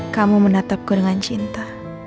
kamu menatapku dengan cinta